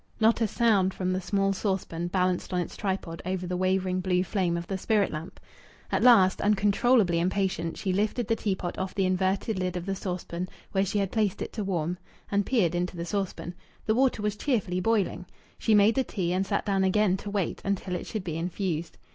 Not a sound from the small saucepan, balanced on its tripod over the wavering blue flame of the spirit lamp! At last, uncontrollably impatient, she lifted the teapot off the inverted lid of the saucepan, where she had placed it to warm, and peered into the saucepan. The water was cheerfully boiling! She made the tea, and sat down again to wait until it should be infused.